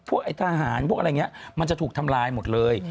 ไอ้ทหารพวกอะไรอย่างนี้มันจะถูกทำลายหมดเลย